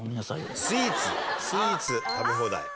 スイーツスイーツ食べ放題。